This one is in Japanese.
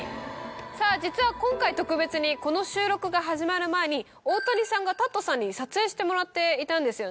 実は今回特別にこの収録が始まる前に大谷さんがＴａｔさんに撮影してもらっていたんですよね。